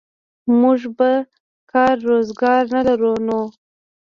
موږ به کار روزګار نه لرو نو.